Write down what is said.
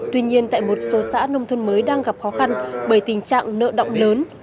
tuy nhiên tại một số xã nông thôn mới đang gặp khó khăn bởi tình trạng nợ động lớn